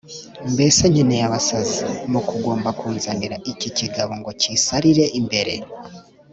Mbese nkennye abasazi mu kugomba kunzanira iki kigabo ngo kinsarire imbere?